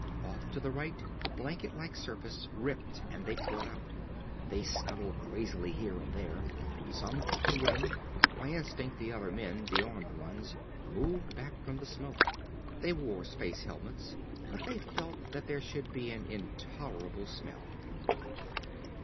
Off to the right the blanket like surface ripped and they poured out. They scuttled crazily here and there. Some took to wing. By instinct the other men the armed ones moved back from the smoke. They wore space helmets but they felt that there should be an intolerable smell.